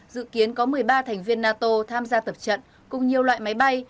dự kiến có một mươi ba thành viên nato tham gia tập trận cùng nhiều loại máy bay